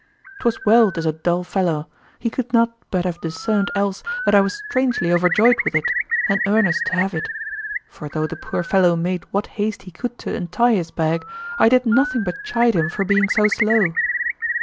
'Twas well 'tis a dull fellow, he could not [but] have discern'd else that I was strangely overjoyed with it, and earnest to have it; for though the poor fellow made what haste he could to untie his bag, I did nothing but chide him for being so slow.